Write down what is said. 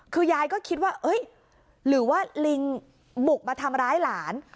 คือยายก็คิดว่าหรือว่าลิงบุกมาทำร้ายหลาน